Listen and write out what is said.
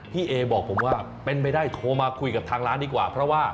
พี่เอบอกผมว่าเป็นไปได้โทรมาคุยกับทางร้านดีกว่าเพราะว่า